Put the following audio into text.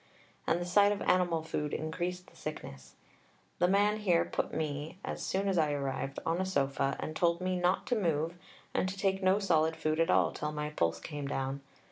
And the sight of animal food increased the sickness. The man here put me, as soon as I arrived, on a sofa and told me not to move and to take no solid food at all till my pulse came down.